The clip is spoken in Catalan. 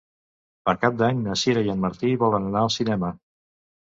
Per Cap d'Any na Sira i en Martí volen anar al cinema.